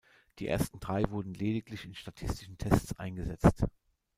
Die ersten drei wurden lediglich in statischen Tests eingesetzt.